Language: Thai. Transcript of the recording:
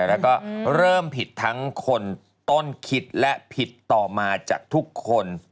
แล้วก็เริ่มผิดทั้งคนต้นคิดและผิดต่อมาจากทุกคน